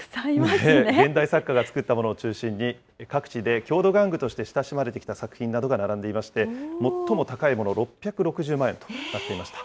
現代作家が作ったものを中心に、各地で郷土玩具として親しまれてきた作品を中心に並んでいまして、最も高いもの、６６０万円となっていました。